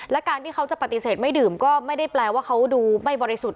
และการที่เขาจะปฏิเสธไม่ดื่มก็ไม่ได้แปลว่าเขาดูไม่บริสุทธิ์